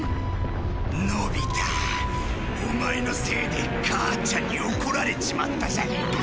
のび太オマエのせいで母ちゃんに怒られちまったじゃねえか。